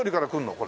これ。